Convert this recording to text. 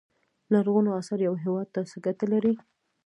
لرغونو اثار یو هیواد ته څه ګټه لري.